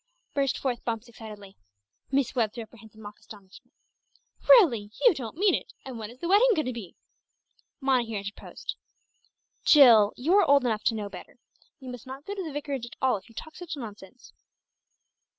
burst forth Bumps excitedly. Miss Webb threw up her hands in mock astonishment. "Really! You don't mean it! And when is the wedding going to be?" Mona here interposed. "Jill, you are old enough to know better. You must not go to the vicarage at all, if you talk such nonsense."